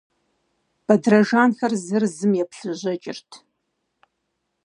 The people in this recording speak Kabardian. Бэдрэжанхэр зыр зым еплъыжьэкӏырт.